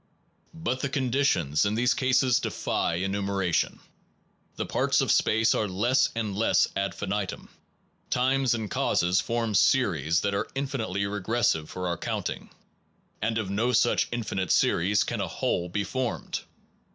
But the conditions in these cases defy enumeration: the parts of space are less and less ad infinitum, times and causes form series that are infinitely regressive for our counting, and of no such infinite series can a whole be formed.